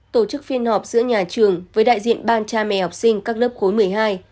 tổ chức phiên họp giữa nhà trường với đại diện ban cha mẹ học sinh các lớp khối một mươi hai